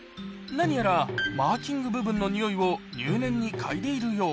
何やらマーキング部分のにおいを入念に嗅いでいるよう。